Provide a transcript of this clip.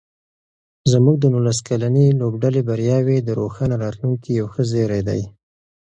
زموږ د نولس کلنې لوبډلې بریاوې د روښانه راتلونکي یو ښه زېری دی.